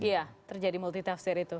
iya terjadi multitapsir itu